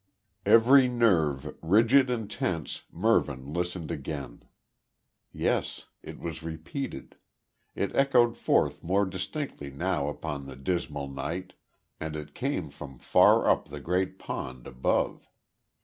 Every nerve rigid and tense Mervyn listened again. Yes it was repeated. It echoed forth more distinctly now upon the dismal night, and it came from far up the great pond above.